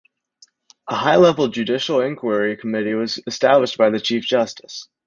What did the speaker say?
A high-level judicial inquiry committee was established by the Chief Justice.